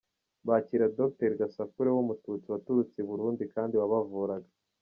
Bakica Docteur Gasakure w’umututsi waturutse i Burundi kandi wabavuraga.